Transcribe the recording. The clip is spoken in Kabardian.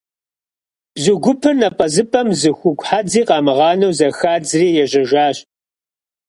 Бзу гупыр напӀэзыпӀэм зы хугу хьэдзи къамыгъанэу зэхадзри ежьэжащ.